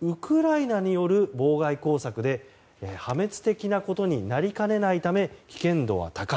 ウクライナによる妨害工作で破滅的なことになりかねないため危険度は高い。